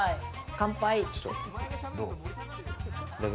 乾杯。